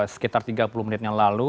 sekitar tiga puluh menit yang lalu